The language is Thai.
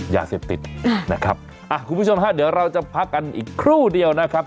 ยาเสพติดนะครับคุณผู้ชมฮะเดี๋ยวเราจะพักกันอีกครู่เดียวนะครับ